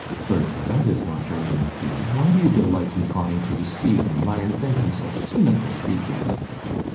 "Bertha, that is not your real feeling. Why do you delight in trying to deceive me by inventing such cynical speeches?"